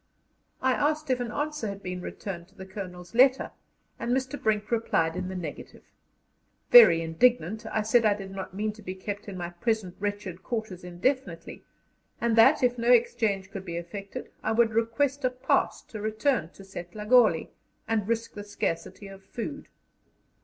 I asked if an answer had been returned to the Colonel's letter, and Mr. Brink replied in the negative. Very indignant, I said that I did not mean to be kept in my present wretched quarters indefinitely, and that, if no exchange could be effected, I would request a pass to return to Setlagoli, and risk the scarcity of food.